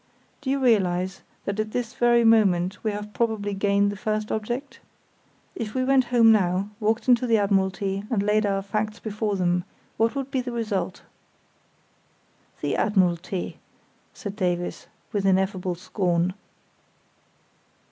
"Do you realise that at this very moment we have probably gained the first object? If we went home now, walked into the Admiralty and laid our facts before them, what would be the result?" "The Admiralty!" said Davies, with ineffable scorn.